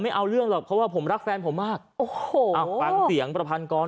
เอาเรื่องหรอกเพราะว่าผมรักแฟนผมมากโอ้โหอ่ะฟังเสียงประพันกร